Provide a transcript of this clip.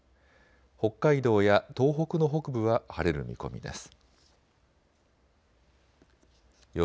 北海道や東北の北部は晴れる見込みです。